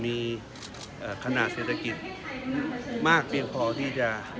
มีขณะเศรษฐกิจมากเพียงพอที่จะ